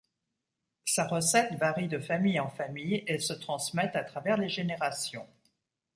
Sa recette varie de famille en famille et se transmet à travers les générations.